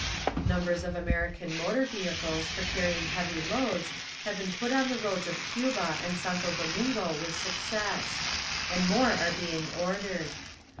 Numbers of American motor vehicles for carrying heavy loads have been put on the roads of Cuba and Santo Domingo with success, and more are being ordered.